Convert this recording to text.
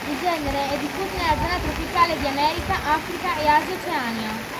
Il genere è diffuso nella zona tropicale di America, Africa e Asia e Oceania.